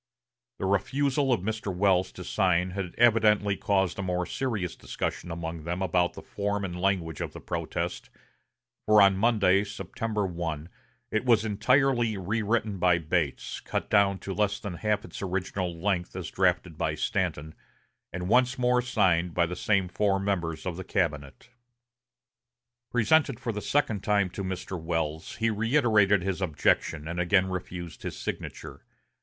The refusal of Mr. Welles to sign had evidently caused a more serious discussion among them about the form and language of the protest; for on Monday, September 1, it was entirely rewritten by Bates, cut down to less than half its original length as drafted by Stanton, and once more signed by the same four members of the cabinet. Presented for the second time to Mr. Welles, he reiterated his objection, and again refused his signature.